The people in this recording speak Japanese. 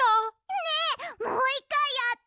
ねえもう１かいやって！